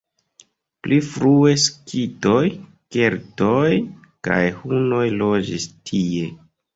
Pli frue skitoj, keltoj kaj hunoj loĝis tie.